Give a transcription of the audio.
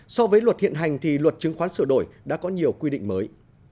so với luật hiện hành thì luật chứng khoán sửa đổi đã có nhiều quy định mới